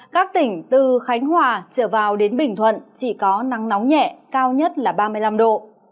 các tỉnh từ khánh hòa trở vào đến bình thuận chỉ có nắng nóng nhẹ cao nhất là ba mươi năm độ